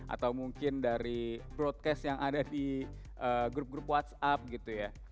atau mungkin dari broadcast yang ada di grup grup whatsapp gitu ya